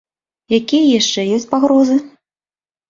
Якія яшчэ ёсць пагрозы?